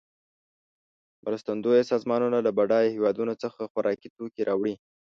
مرستندویه سازمانونه له بډایه هېوادونو څخه خوارکي توکې راوړي.